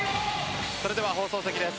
それでは放送席です。